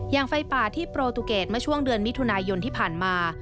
อย่างไฟป่าที่โปรตุเกตมาช่วงเดือนมิถุนายนที่ผ่านมา